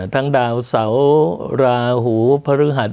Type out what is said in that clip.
ทั้งดาวเสาราหูพฤหัส